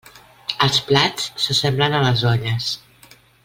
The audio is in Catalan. Els plats s'assemblen a les olles.